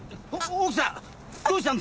奥さん！